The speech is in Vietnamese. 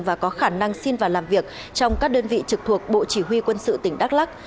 và có khả năng xin vào làm việc trong các đơn vị trực thuộc bộ chỉ huy quân sự tỉnh đắk lắc